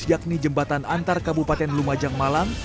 yakni jembatan antar kabupaten lumajang malang